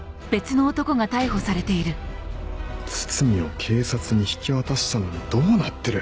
堤を警察に引き渡したのにどうなってる？